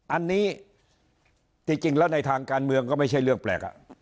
อันนี้ที่จริงแล้วในทางการเมืองก็ไม่ใช่เรื่องแปลก